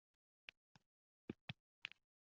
U hech o‘radan chiqishning ilojini qilolmabdi